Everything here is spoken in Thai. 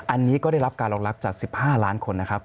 อันนี้ก็ได้รับการรองรับจาก๑๕ล้านคนนะครับ